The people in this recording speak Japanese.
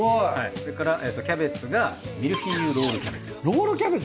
それからキャベツがミルフィーユロールキャベツ。